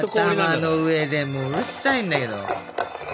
頭の上でもううるさいんだけど。